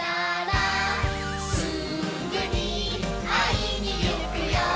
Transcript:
「すぐにあいにいくよ」